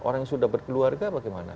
orang yang sudah berkeluarga bagaimana